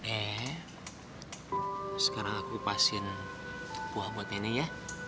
nenek sekarang aku pasin buah buat nenek ya